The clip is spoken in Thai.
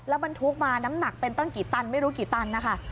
บรรทุกมาน้ำหนักเป็นตั้งกี่ตันไม่รู้กี่ตันนะคะ